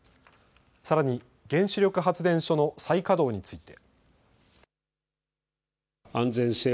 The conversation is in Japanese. さらに原子力発電所の再稼働について。